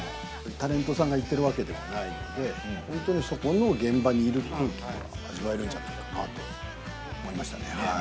タレントさんが行ってるわけではないのでホントにそこの現場にいる空気が味わえるんじゃないかなと思いましたね。